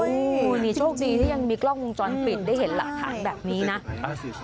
โอ้โหนี่โชคดีที่ยังมีกล้องวงจรปิดได้เห็นหลักฐานแบบนี้นะ